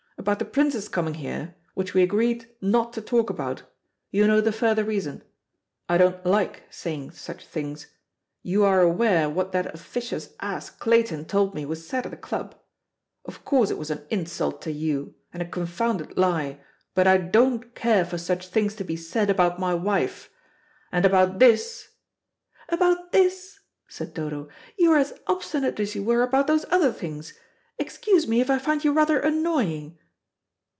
About the Prince's coming here, which we agreed not to talk about, you know the further reason. I don't like saying such things. You are aware what that officious ass Clayton told me was said at the club. Of course it was an insult to you, and a confounded lie, but I don't care for such things to be said about my wife. And about this " "About this," said Dodo, "you are as obstinate as you were about those other things. Excuse me if I find you rather annoying."